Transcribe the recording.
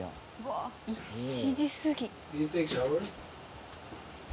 １時過ぎ。